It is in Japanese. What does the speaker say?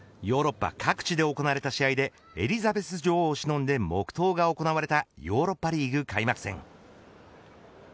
イギリスはもちろんヨーロッパ各地で行われた試合でエリザベス女王をしのんで黙とうが行われたヨーロッパリーグ開幕戦。